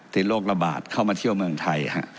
โรคระบาดเข้ามาเที่ยวเมืองไทย